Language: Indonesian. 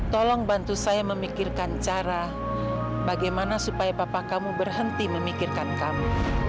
tolong bantu saya memikirkan cara bagaimana supaya papa kamu berhenti memikirkan kamu